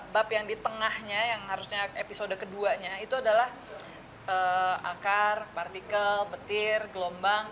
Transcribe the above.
bab yang di tengahnya yang harusnya episode keduanya itu adalah akar partikel petir gelombang